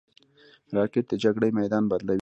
راکټ د جګړې میدان بدلوي